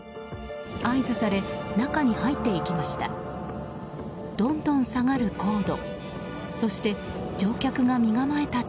合図され、中に入っていきました。